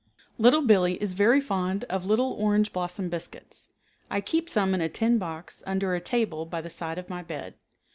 Little Billee is very fond of little orange blossom biscuits. I keep some in a tin box under a table by the side of my bed.